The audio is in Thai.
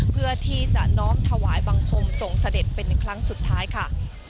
เพื่อที่จะน้อมถวายบังคมส่งเสด็จเป็นครั้งสุดท้ายค่ะ